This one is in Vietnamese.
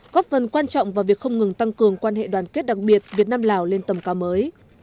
góp phần quan trọng vào việc không ngừng tăng cường quan hệ đoàn kết đặc biệt việt nam lào lên tầm cao mới